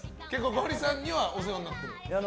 ゴリさんにはお世話になっていると。